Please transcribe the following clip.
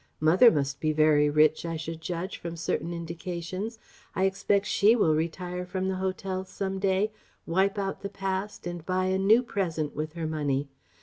Mother must be very rich, I should judge, from certain indications. I expect she will retire from the 'Hotels,' some day, wipe out the past, and buy a new present with her money....